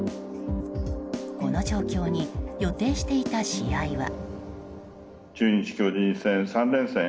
この状況に予定していた試合は。